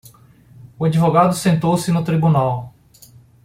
O advogado sentou-se no tribunal.